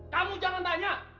kamu jangan tanya